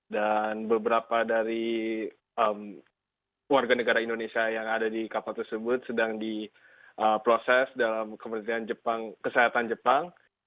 dan beberapa dari warga negara indonesia yang ada di kapal tersebut sedang diproses dalam kementerian kesehatan jepang